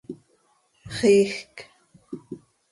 Xiijc.